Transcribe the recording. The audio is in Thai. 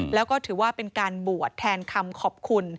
แล้วก็ถือว่าเป็นการบวชแทนคำขอบคุณ